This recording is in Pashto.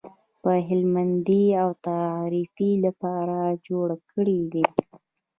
یو هلمندي د تفریح لپاره جوړ کړی دی.